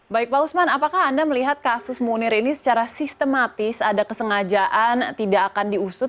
baik pak usman apakah anda melihat kasus munir ini secara sistematis ada kesengajaan tidak akan diusut